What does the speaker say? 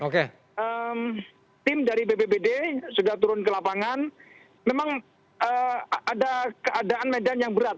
tim dari bbbd sudah turun ke lapangan memang ada keadaan medan yang berat